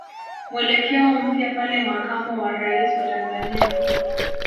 mwelekeo mpya pale Makamo wa Rais wa Tanzania